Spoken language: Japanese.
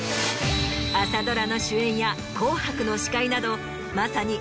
朝ドラの主演や『紅白』の司会などまさに。